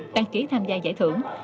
tăng ký tham gia giải thưởng